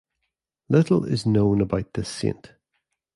Little is known about this saint.